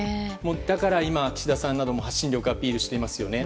だから今、岸田さんなども発信力をアピールしていますよね。